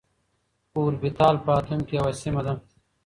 اوربيتال په اتوم کي يوه سيمه ده.